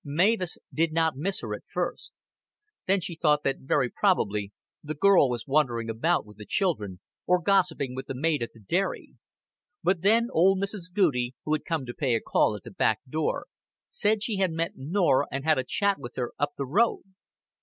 Mavis did not miss her at first. Then she thought that very probably the girl was wandering about with the children, or gossiping with the maid at the dairy; but then old Mrs. Goudie, who had come to pay a call at the back door, said she had met Norah and had a chat with her "up th' road."